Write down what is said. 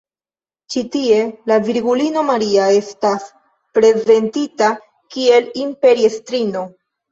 Ĉi tie la Virgulino Maria estas prezentita kiel imperiestrino.